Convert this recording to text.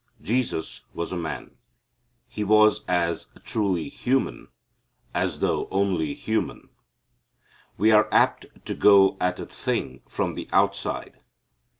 Jesus was a man. He was as truly human as though only human. We are apt to go at a thing from the outside.